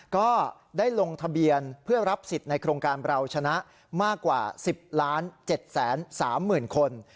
ก็ได้ลงทะเบียนเพื่อรับสิทธิ์ในโครงการเราชนะมากกว่า๑๐๗๓๐๐๐คน